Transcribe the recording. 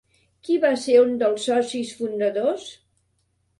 Qui va ser un dels socis fundadors?